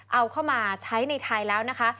เอาเข้ามาใช้ในไทยแล้วนะคะ